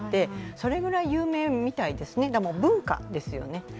それぐらい有名みたいですね、もう文化ですよね。